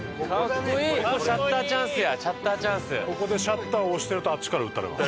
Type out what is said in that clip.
ここでシャッター押してるとあっちから撃たれます。